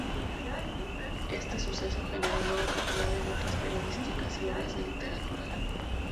Este suceso generó luego cantidad de notas periodísticas y obras de literatura.